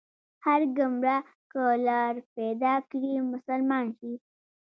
هر ګمراه که لار پيدا کړي، مسلمان شي